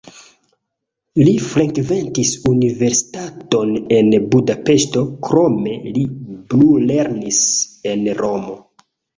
Li frekventis universitaton en Budapeŝto, krome li plulernis en Romo.